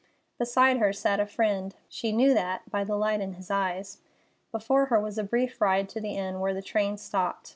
Beside her sat a friend—she knew that by the light in his eyes. Before her was a brief ride to the inn where the train stopped.